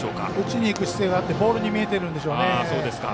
打ちにいく姿勢はあってボールに見えているんでしょうね。